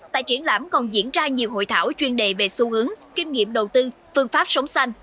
tại triển lãm còn diễn ra nhiều hội thảo chuyên đề về xu hướng kinh nghiệm đầu tư phương pháp sống xanh